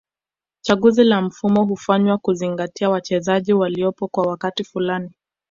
Chaguzi la mfumo hufanywa kuzingatia wachezaji waliopo kwa wakati fulani